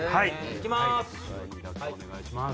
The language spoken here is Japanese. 行きます！